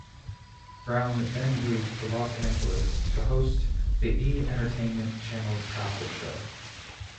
Brown then moved to Los Angeles to host the "E Entertainment" channel's gossip show.